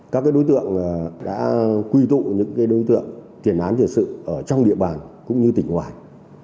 các đối tượng đã quy tụ những đối tượng tiền án tiền sự ở trong địa bàn cũng như tỉnh ngoài